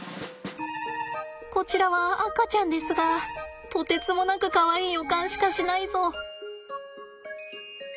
こちらは赤ちゃんですがとてつもなくかわいい予感しかしないぞ。